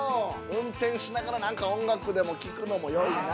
運転しながら、なんか音楽でも聞くのもよいな。